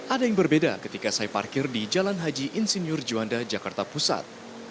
ada yang berbeda ketika saya parkir di jalan haji insinyur juanda jakarta pusat